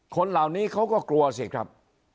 คนเหล่านี้เขาก็กลัวสิครับ